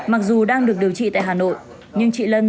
mặc dù đang được điều trị tại hà nội nhưng chị lân